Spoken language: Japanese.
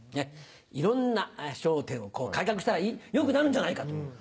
いろんな『笑点』をこう改革したら良くなるんじゃないかと。